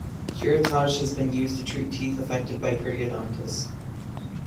Curettage has been used to treat teeth affected by periodontitis.